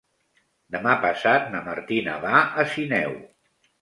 Demà passat na Martina va a Sineu.